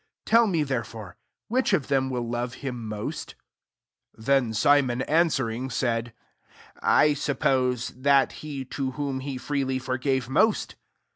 [Tell me,] therefore, Which of them will love him most ?" 43 Then Simon answering, said, " I sup pose, that he, to whom he freely fergave most.'